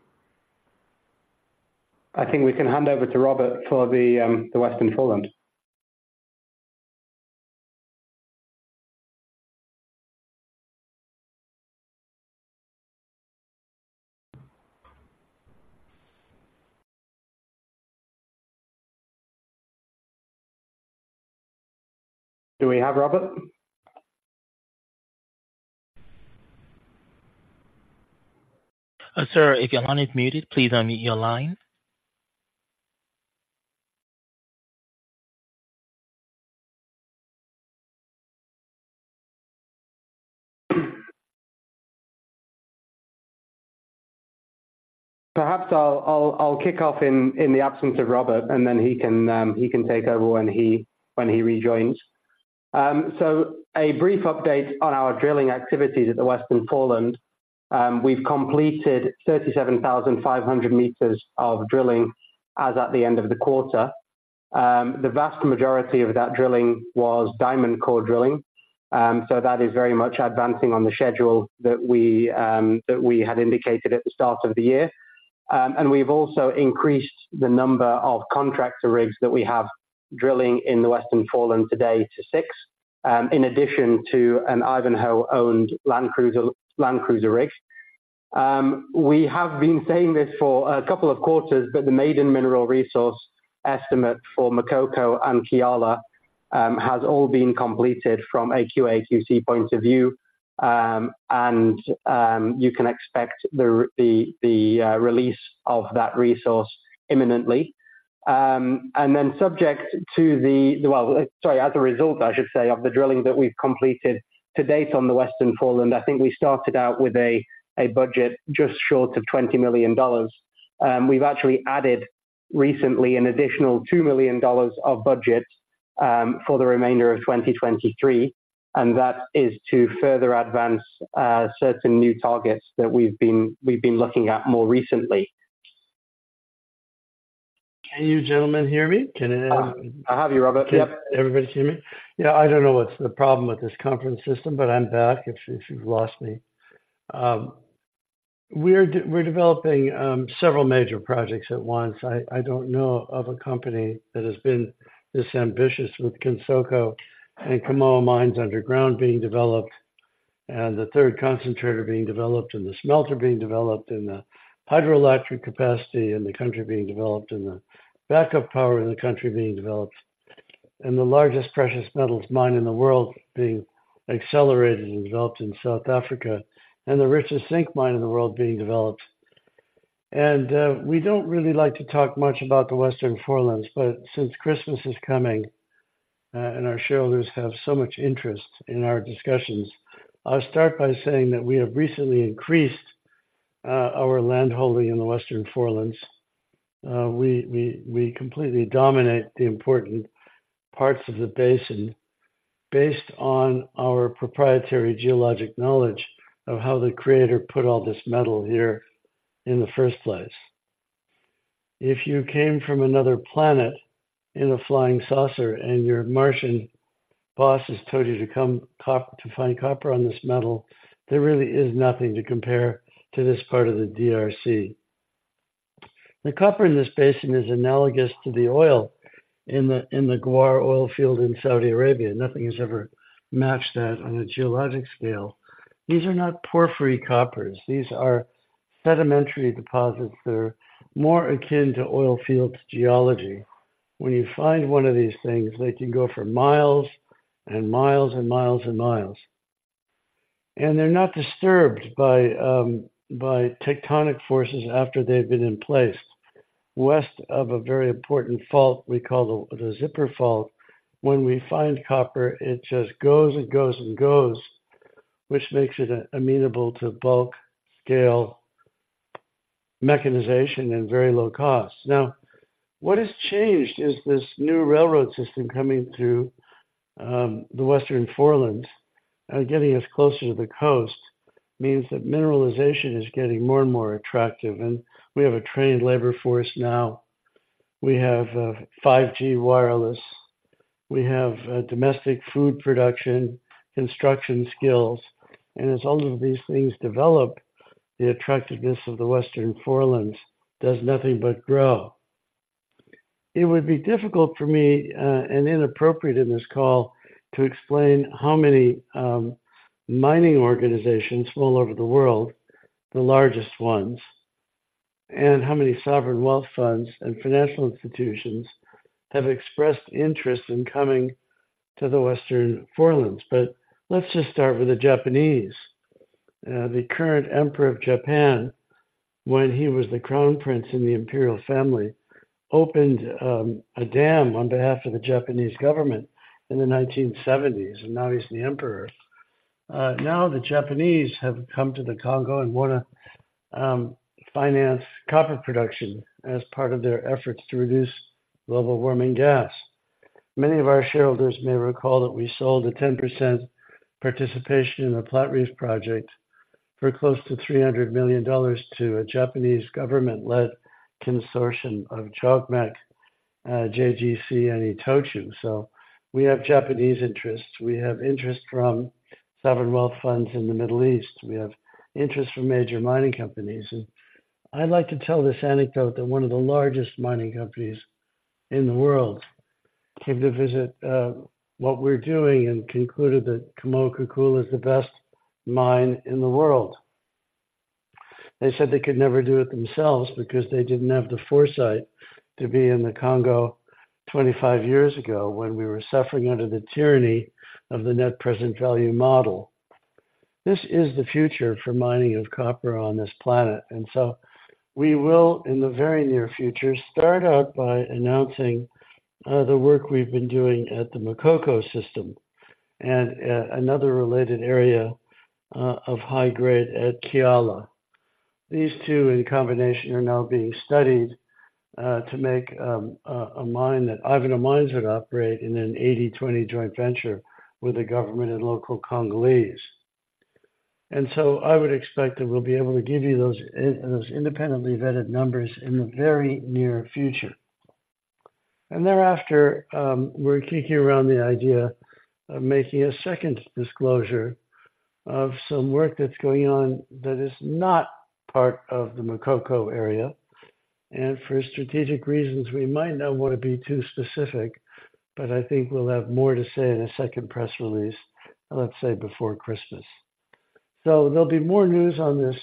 I think we can hand over to Robert for the Western Foreland. Do we have Robert? Sir, if your line is muted, please unmute your line. Perhaps I'll kick off in the absence of Robert, and then he can take over when he rejoins. So a brief update on our drilling activities at the Western Foreland. We've completed 37,500 meters of drilling as at the end of the quarter. The vast majority of that drilling was diamond core drilling. So that is very much advancing on the schedule that we had indicated at the start of the year. And we've also increased the number of contractor rigs that we have drilling in the Western Foreland today to 6, in addition to an Ivanhoe-owned Land Cruiser, Land Cruiser rig. We have been saying this for a couple of quarters, but the maiden mineral resource estimate for Makoko and Kiala has all been completed from a QAQC point of view, and you can expect the release of that resource imminently. And then subject to the—well, sorry, as a result, I should say, of the drilling that we've completed to date on the Western Foreland, I think we started out with a budget just short of $20 million. We've actually added recently an additional $2 million of budget for the remainder of 2023, and that is to further advance certain new targets that we've been looking at more recently. Can you gentlemen hear me? I have you, Robert. Yep. Can everybody hear me? Yeah, I don't know what's the problem with this conference system, but I'm back if you, if you've lost me. We're developing several major projects at once. I don't know of a company that has been this ambitious with Kansoko and Kamoa mines underground being developed, and the third concentrator being developed, and the smelter being developed, and the hydroelectric capacity in the country being developed, and the backup power in the country being developed, and the largest precious metals mine in the world being accelerated and developed in South Africa, and the richest zinc mine in the world being developed. We don't really like to talk much about the Western Forelands, but since Christmas is coming, and our shareholders have so much interest in our discussions, I'll start by saying that we have recently increased our land holding in the Western Forelands. We completely dominate the important parts of the basin based on our proprietary geologic knowledge of how the Creator put all this metal here in the first place. If you came from another planet in a flying saucer, and your Martian bosses told you to come top to find copper on this metal, there really is nothing to compare to this part of the DRC. The copper in this basin is analogous to the oil in the Ghawar oil field in Saudi Arabia. Nothing has ever matched that on a geologic scale. These are not porphyry coppers. These are sedimentary deposits that are more akin to oil fields geology. When you find one of these things, they can go for miles and miles and miles and miles. And they're not disturbed by by tectonic forces after they've been in place. West of a very important fault we call the Zipper Fault, when we find copper, it just goes and goes and goes, which makes it amenable to bulk scale mechanization and very low costs. Now, what has changed is this new railroad system coming through the Western Forelands and getting us closer to the coast, means that mineralization is getting more and more attractive. And we have a trained labor force now. We have 5G wireless, we have domestic food production, construction skills, and as all of these things develop, the attractiveness of the Western Forelands does nothing but grow. It would be difficult for me, and inappropriate in this call to explain how many mining organizations all over the world, the largest ones, and how many sovereign wealth funds and financial institutions have expressed interest in coming to the Western Forelands. But let's just start with the Japanese. The current Emperor of Japan, when he was the crown prince in the imperial family, opened a dam on behalf of the Japanese government in the nineteen seventies, and now he's the emperor. Now the Japanese have come to the Congo and wanna finance copper production as part of their efforts to reduce global warming gas. Many of our shareholders may recall that we sold a 10% participation in the Platreef project for close to $300 million to a Japanese government-led consortium of JOGMEC, JGC, and Itochu. So we have Japanese interests. We have interest from sovereign wealth funds in the Middle East. We have interest from major mining companies. And I'd like to tell this anecdote that one of the largest mining companies in the world came to visit, what we're doing and concluded that Kamoa-Kakula is the best mine in the world. They said they could never do it themselves because they didn't have the foresight to be in the Congo 25 years ago when we were suffering under the tyranny of the net present value model. This is the future for mining of copper on this planet, and so we will, in the very near future, start out by announcing, the work we've been doing at the and, another related area, of high grade at Kiala. These two, in combination, are now being studied to make a mine that Ivanhoe Mines would operate in an 80/20 joint venture with the government and local Congolese. And so I would expect that we'll be able to give you those independently vetted numbers in the very near future. And thereafter, we're kicking around the idea of making a second disclosure of some work that's going on that is not part of the Makoko area, and for strategic reasons, we might not want to be too specific, but I think we'll have more to say in a second press release, let's say, before Christmas. So there'll be more news on this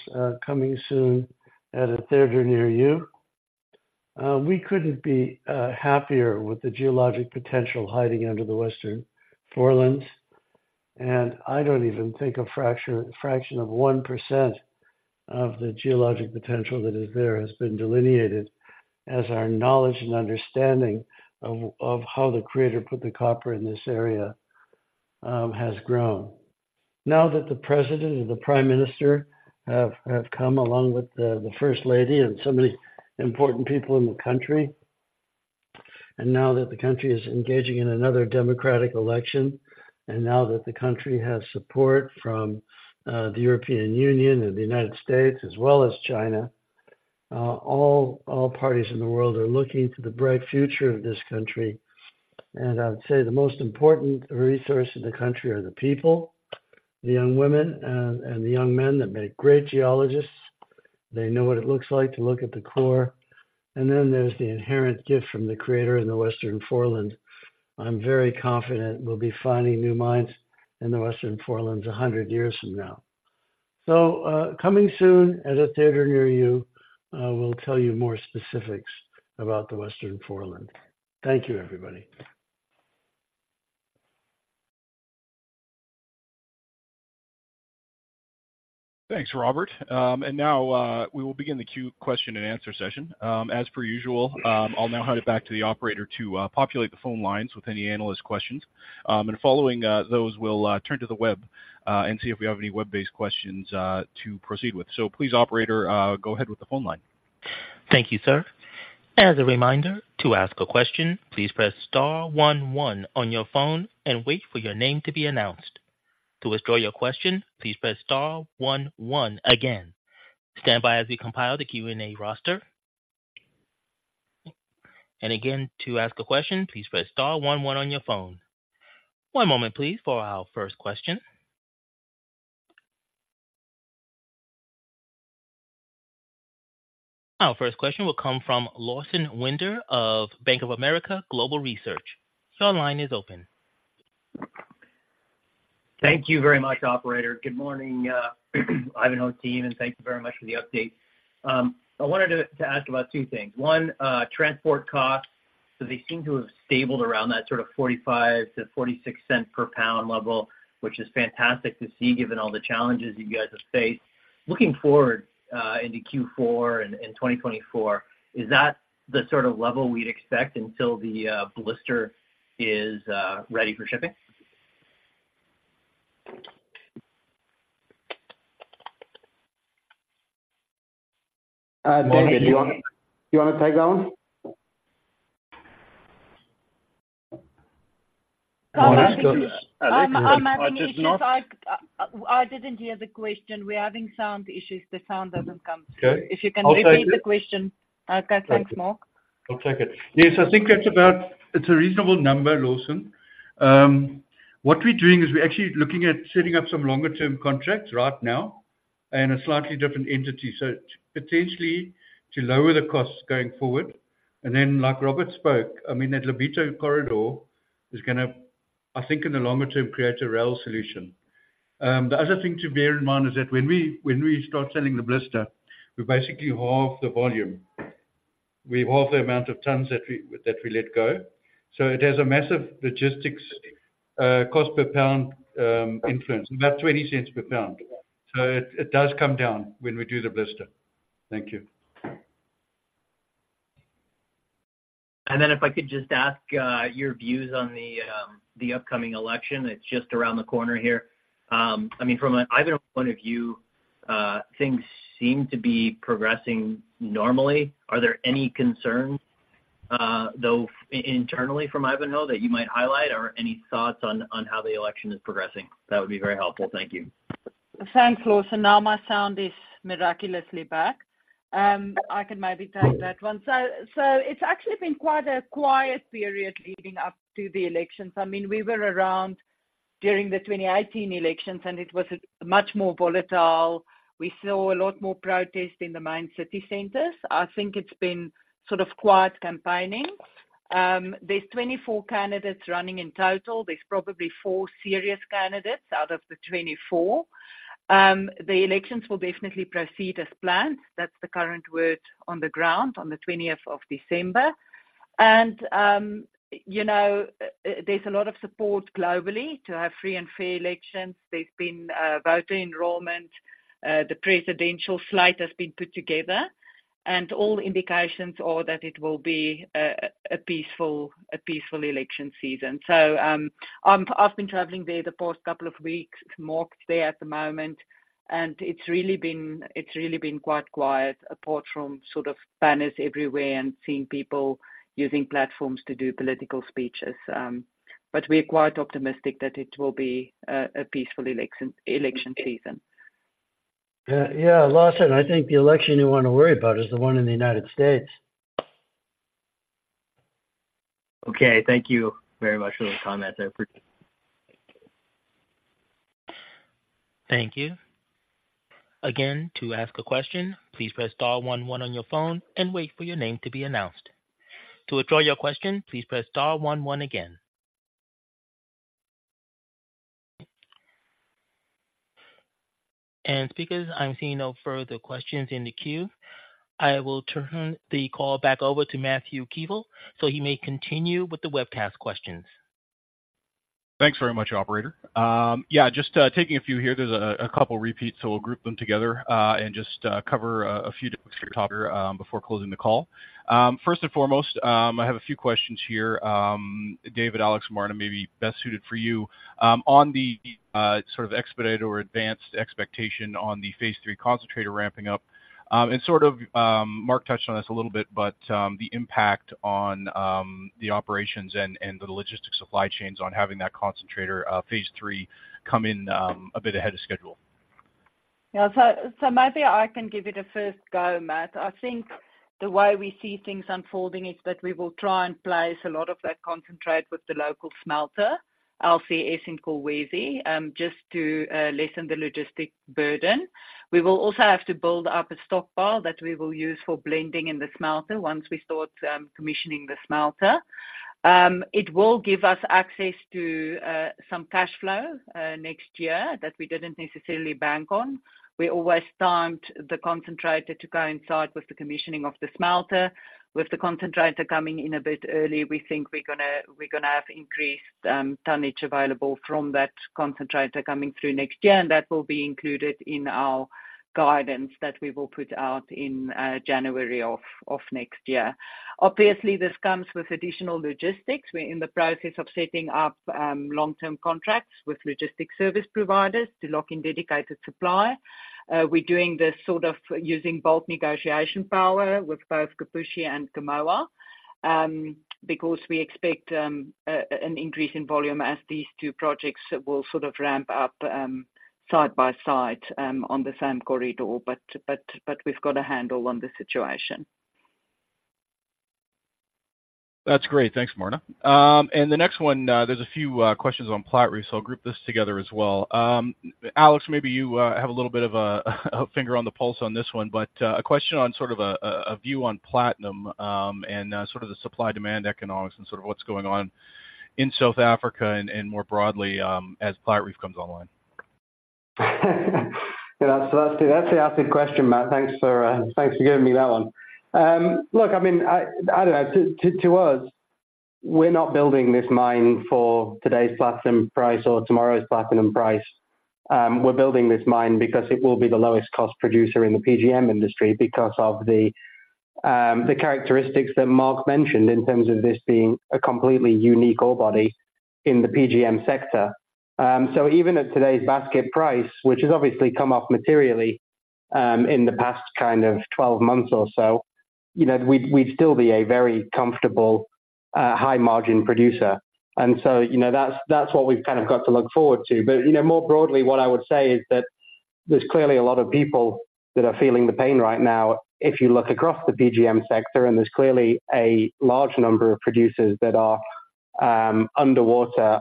coming soon at a theater near you. We couldn't be happier with the geologic potential hiding under the Western Forelands, and I don't even think a fraction of one percent of the geologic potential that is there has been delineated as our knowledge and understanding of how the Creator put the copper in this area has grown. Now that the President and the Prime Minister have come, along with the First Lady and so many important people in the country, and now that the country is engaging in another democratic election, and now that the country has support from the European Union and the United States, as well as China, all parties in the world are looking to the bright future of this country. I would say the most important resource in the country are the people, the young women and, and the young men that make great geologists. They know what it looks like to look at the core. And then there's the inherent gift from the Creator in the Western Forelands. I'm very confident we'll be finding new mines in the Western Forelands 100 years from now. So, coming soon at a theater near you, we'll tell you more specifics about the Western Forelands. Thank you, everybody. Thanks, Robert. And now, we will begin the Question and Answer session. As per usual, I'll now hand it back to the operator to populate the phone lines with any analyst questions. And following those, we'll turn to the web and see if we have any web-based questions to proceed with. So please, operator, go ahead with the phone line. Thank you, sir. As a reminder, to ask a question, please press star one one on your phone and wait for your name to be announced. To withdraw your question, please press star one one again. Stand by as we compile the Q&A roster. Again, to ask a question, please press star one one on your phone. One moment, please, for our first question. Our first question will come from Lawson Winder of Bank of America Global Research. Your line is open. Thank you very much, operator. Good morning, Ivanhoe team, and thank you very much for the update. I wanted to ask about two things. One, transport costs. So they seem to have stabilized around that sort of $0.45-$0.46 per pound level, which is fantastic to see, given all the challenges you guys have faced. Looking forward, into Q4 and 2024, is that the sort of level we'd expect until the blister is ready for shipping? David, do you wanna take that one? I'm having issues. I didn't hear the question. We're having sound issues. The sound doesn't come through. Okay. If you can repeat the question. I'll take it. Thanks, Mark. I'll take it. Yes, I think that's about, it's a reasonable number, Lawson. What we're doing is we're actually looking at setting up some longer term contracts right now, and a slightly different entity. So potentially to lower the costs going forward. And then, like Robert spoke, I mean, that Lobito Corridor is gonna, I think, in the longer term, create a rail solution. The other thing to bear in mind is that when we, when we start selling the blister, we basically halve the volume. We halve the amount of tonnes that we, that we let go. So it has a massive logistics, cost per pound, influence, about $0.20 per pound. So it, it does come down when we do the blister. Thank you. And then if I could just ask your views on the upcoming election, it's just around the corner here. I mean, from an either point of view, things seem to be progressing normally. Are there any concerns, though internally from Ivanhoe, that you might highlight, or any thoughts on how the election is progressing? That would be very helpful. Thank you. Thanks, Lawson. Now my sound is miraculously back. I can maybe take that one. So, it's actually been quite a quiet period leading up to the elections. I mean, we were around during the 2018 elections, and it was much more volatile. We saw a lot more protests in the main city centers. I think it's been sort of quiet campaigning. There's 24 candidates running in total. There's probably four serious candidates out of the 24. The elections will definitely proceed as planned. That's the current word on the ground on the twentieth of December. And, you know, there's a lot of support globally to have free and fair elections. There's been voter enrollment, the presidential slate has been put together, and all indications are that it will be a peaceful election season. So, I've been traveling there the past couple of weeks. Mark's there at the moment, and it's really been quite quiet, apart from sort of banners everywhere and seeing people using platforms to do political speeches. But we're quite optimistic that it will be a peaceful election season. Yeah, Lawson, I think the election you want to worry about is the one in the United States. Okay. Thank you very much for the comment. I appreciate. Thank you. Again, to ask a question, please press star one one on your phone and wait for your name to be announced. To withdraw your question, please press star one one again. Because I'm seeing no further questions in the queue, I will turn the call back over to Matthew Keevil, so he may continue with the webcast questions. Thanks very much, operator. Yeah, just taking a few here, there's a couple repeats, so we'll group them together, and just cover a few topics before closing the call. First and foremost, I have a few questions here. David, Alex, Marna, may be best suited for you. On the sort of expedited or advanced expectation on the Phase 3 concentrator ramping up, and sort of, Mark touched on this a little bit, but, the impact on the operations and the logistics supply chains on having that concentrator Phase 3 come in a bit ahead of schedule. Yeah. So maybe I can give you the first go, Matt. I think the way we see things unfolding is that we will try and place a lot of that concentrate with the local smelter, LCS in Kolwezi, just to lessen the logistics burden. We will also have to build up a stockpile that we will use for blending in the smelter once we start commissioning the smelter. It will give us access to some cash flow next year that we didn't necessarily bank on. We always timed the concentrator to coincide with the commissioning of the smelter. With the concentrator coming in a bit early, we think we're gonna have increased tonnage available from that concentrator coming through next year, and that will be included in our guidance that we will put out in January of next year. Obviously, this comes with additional logistics. We're in the process of setting up long-term contracts with logistic service providers to lock in dedicated supply. We're doing this sort of using bulk negotiation power with both Kipushi and Kamoa because we expect an increase in volume as these two projects will sort of ramp up side by side on the same corridor, but we've got a handle on the situation. That's great. Thanks, Marna. And the next one, there's a few questions on Platreef, so I'll group this together as well. Alex, maybe you have a little bit of a finger on the pulse on this one, but a question on sort of a view on platinum, and sort of the supply-demand economics and sort of what's going on in South Africa and more broadly, as Platreef comes online. Yeah, that's the acid question, Matt. Thanks for giving me that one. Look, I mean, I don't know, to us, we're not building this mine for today's platinum price or tomorrow's platinum price. We're building this mine because it will be the lowest cost producer in the PGM industry because of the characteristics that Mark mentioned in terms of this being a completely unique ore body in the PGM sector. So even at today's basket price, which has obviously come off materially, in the past kind of 12 months or so, you know, we'd still be a very comfortable high-margin producer. And so, you know, that's what we've kind of got to look forward to. But, you know, more broadly, what I would say is that there's clearly a lot of people that are feeling the pain right now. If you look across the PGM sector, and there's clearly a large number of producers that are underwater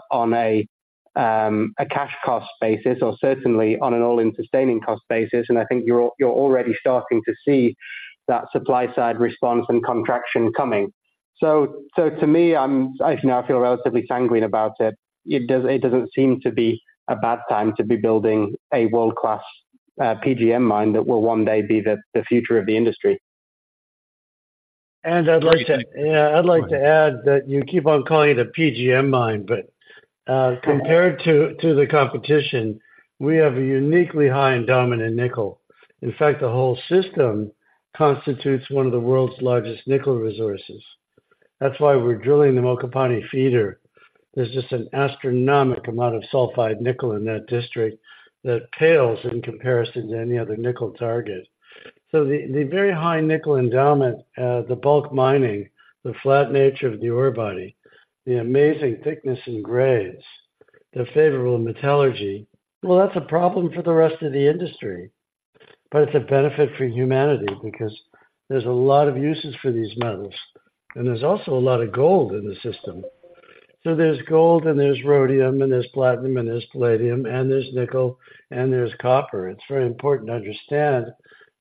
on a cash cost basis or certainly on an all-in sustaining cost basis, and I think you're already starting to see that supply side response and contraction coming. So, to me, I'm—I, you know, I feel relatively sanguine about it. It does, it doesn't seem to be a bad time to be building a world-class PGM mine that will one day be the future of the industry. And I'd like to, yeah, I'd like to add that you keep on calling it a PGM mine, but, compared to, to the competition, we have a uniquely high endowment in nickel. In fact, the whole system constitutes one of the world's largest nickel resources. That's why we're drilling the Mokopane Feeder. There's just an astronomic amount of sulfide nickel in that district that pales in comparison to any other nickel target. So the very high nickel endowment, the bulk mining, the flat nature of the ore body, the amazing thickness in grades, the favorable metallurgy, well, that's a problem for the rest of the industry, but it's a benefit for humanity because there's a lot of uses for these metals, and there's also a lot of gold in the system. So there's gold, and there's rhodium, and there's platinum, and there's palladium, and there's nickel, and there's copper. It's very important to understand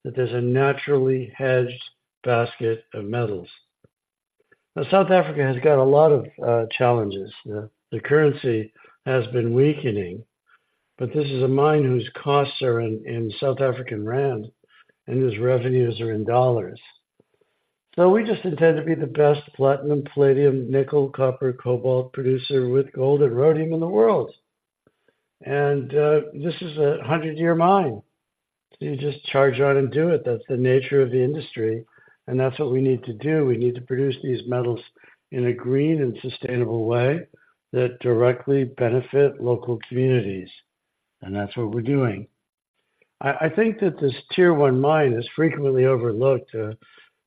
that there's a naturally hedged basket of metals. Now, South Africa has got a lot of challenges. The currency has been weakening, but this is a mine whose costs are in South African rand and whose revenues are in dollars. So we just intend to be the best platinum, palladium, nickel, copper, cobalt producer with gold and rhodium in the world. And this is a 100-year mine, so you just charge on and do it. That's the nature of the industry, and that's what we need to do. We need to produce these metals in a green and sustainable way that directly benefit local communities, and that's what we're doing. I think that this Tier 1 mine is frequently overlooked.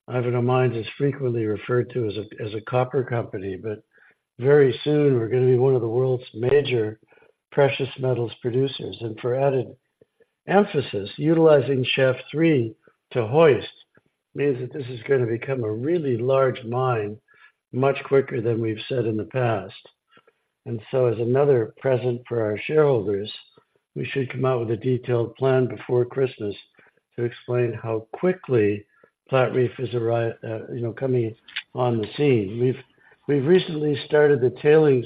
Ivanhoe Mines is frequently referred to as a, as a copper company, but very soon, we're gonna be one of the world's major precious metals producers. And for added emphasis, utilizing Shaft 3 to hoist means that this is gonna become a really large mine much quicker than we've said in the past. And so as another present for our shareholders, we should come out with a detailed plan before Christmas to explain how quickly Platreef is, you know, coming on the scene. We've recently started the tailings.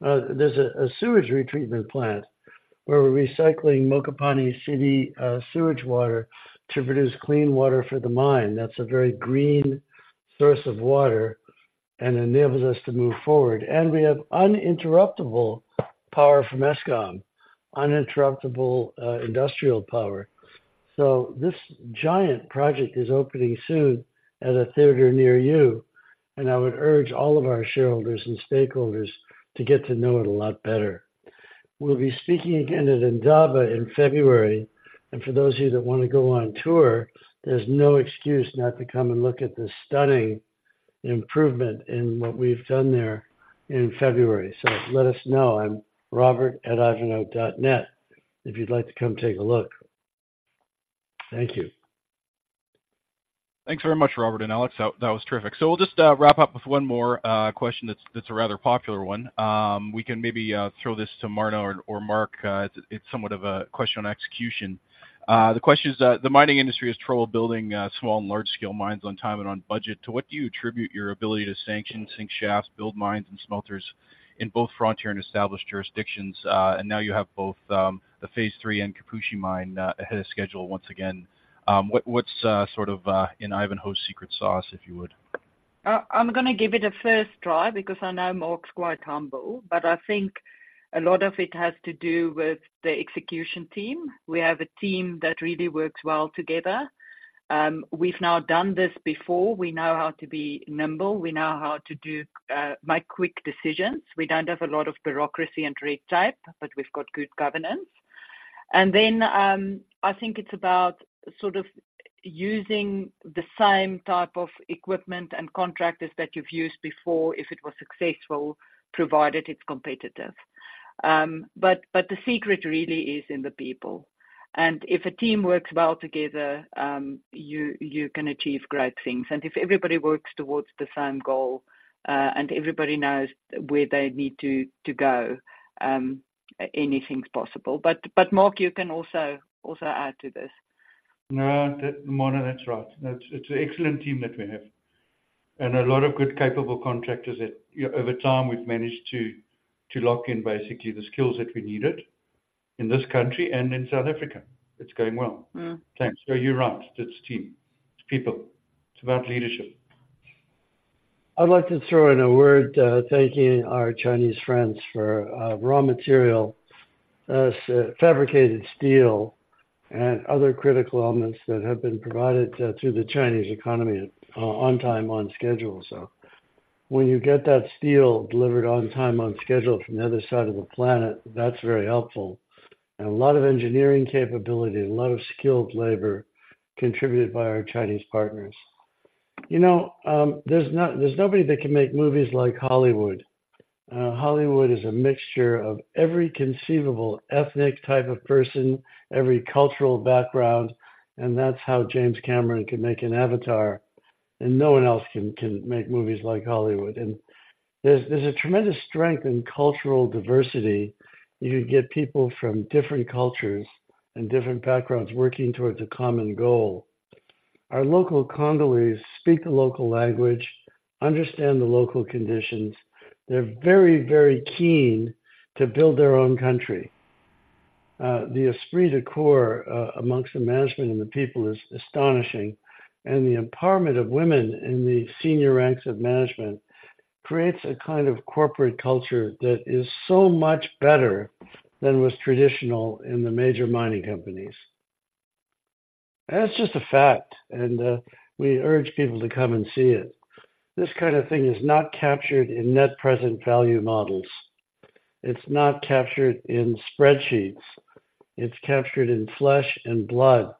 There's a sewage retreatment plant where we're recycling Mokopane city sewage water to produce clean water for the mine. That's a very green source of water and enables us to move forward. And we have uninterruptible power from Eskom, uninterruptible industrial power. So this giant project is opening soon at a theater near you, and I would urge all of our shareholders and stakeholders to get to know it a lot better. We'll be speaking again at Indaba in February, and for those of you that want to go on tour, there's no excuse not to come and look at the stunning improvement in what we've done there in February. So let us know. I'm robert@ivanhoe.net, if you'd like to come take a look. Thank you. Thanks very much, Robert and Alex. That, that was terrific. So we'll just wrap up with one more question that's, that's a rather popular one. We can maybe throw this to Marna or Mark. It's somewhat of a question on execution. The question is, the mining industry has trouble building small and large-scale mines on time and on budget. To what do you attribute your ability to sanction sink shafts, build mines and smelters in both frontier and established jurisdictions? And now you have both the Phase 3 and Kipushi Mine ahead of schedule once again. What, what's sort of in Ivanhoe's secret sauce, if you would? I'm gonna give it a first try because I know Mark's quite humble, but I think a lot of it has to do with the execution team. We have a team that really works well together. We've now done this before. We know how to be nimble. We know how to do make quick decisions. We don't have a lot of bureaucracy and red tape, but we've got good governance. And then, I think it's about sort of using the same type of equipment and contractors that you've used before, if it was successful, provided it's competitive. But, but the secret really is in the people. And if a team works well together, you, you can achieve great things. And if everybody works towards the same goal, and everybody knows where they need to, to go, anything's possible. But, Mark, you can also add to this. No, Marna, that's right. It's an excellent team that we have... and a lot of good, capable contractors that, you know, over time, we've managed to lock in basically the skills that we needed in this country and in South Africa. It's going well. Mm. Thanks. So you're right, it's team, it's people. It's about leadership. I'd like to throw in a word, thanking our Chinese friends for raw material, so fabricated steel and other critical elements that have been provided through the Chinese economy, on time, on schedule. So when you get that steel delivered on time, on schedule from the other side of the planet, that's very helpful. A lot of engineering capability and a lot of skilled labor contributed by our Chinese partners. You know, there's nobody that can make movies like Hollywood. Hollywood is a mixture of every conceivable ethnic type of person, every cultural background, and that's how James Cameron can make an Avatar, and no one else can make movies like Hollywood. There's a tremendous strength in cultural diversity, you get people from different cultures and different backgrounds working towards a common goal. Our local Congolese speak the local language, understand the local conditions. They're very, very keen to build their own country. The esprit de corps amongst the management and the people is astonishing, and the empowerment of women in the senior ranks of management creates a kind of corporate culture that is so much better than was traditional in the major mining companies. That's just a fact, and we urge people to come and see it. This kind of thing is not captured in net present value models. It's not captured in spreadsheets. It's captured in flesh and blood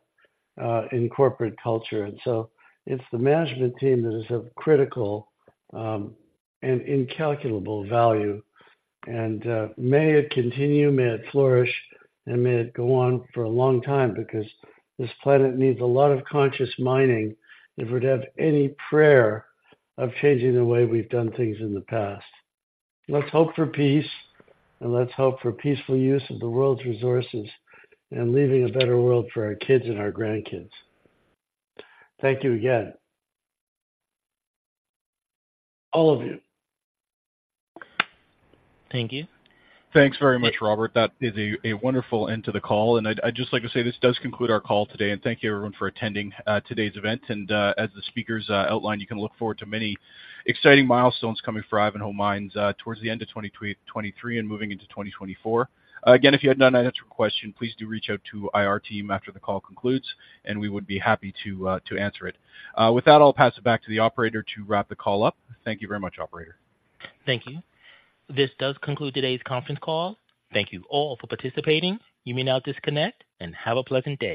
in corporate culture. So it's the management team that is of critical and incalculable value. May it continue, may it flourish, and may it go on for a long time, because this planet needs a lot of conscious mining if we're to have any prayer of changing the way we've done things in the past. Let's hope for peace, and let's hope for peaceful use of the world's resources and leaving a better world for our kids and our grandkids. Thank you again. All of you. Thank you. Thanks very much, Robert. That is a wonderful end to the call, and I'd just like to say this does conclude our call today, and thank you everyone for attending today's event. And as the speakers outlined, you can look forward to many exciting milestones coming for Ivanhoe Mines towards the end of 2023 and moving into 2024. Again, if you had not had your question, please do reach out to our team after the call concludes, and we would be happy to answer it. With that, I'll pass it back to the operator to wrap the call up. Thank you very much, operator. Thank you. This does conclude today's conference call. Thank you all for participating. You may now disconnect and have a pleasant day.